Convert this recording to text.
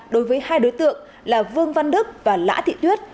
đối với hai đối tượng là vương văn đức và lã thị tuyết